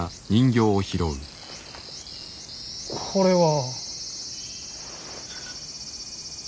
これは。